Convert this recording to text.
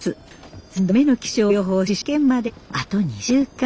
３度目の気象予報士試験まであと２週間。